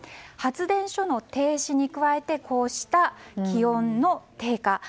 発電所の停止に加えてこうした気温の低下。